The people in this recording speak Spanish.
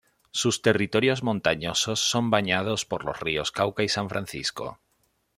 Sus territorios montañosos son bañados por los ríos Cauca y San Francisco.